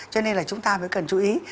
cho nên là chúng ta phải cần chú ý